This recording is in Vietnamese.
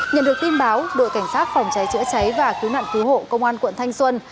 nhận được tin báo đội cảnh sát phòng cháy chữa cháy và cứu nạn cứu hộ công an quận thanh xuân